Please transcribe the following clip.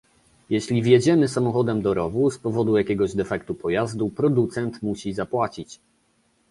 jeśli wjedziemy samochodem do rowu z powodu jakiegoś defektu pojazdu, producent musi zapłacić